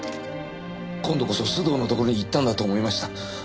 今度こそ須藤のところに行ったんだと思いました。